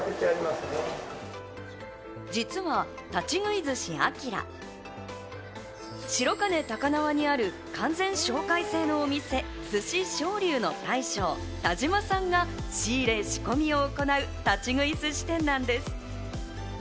実は立喰い寿司あきら、白金高輪にある完全紹介制のお店・鮨龍尚の大将・田島さんが仕入れ、仕込みを行う立ち食い寿司店なんです。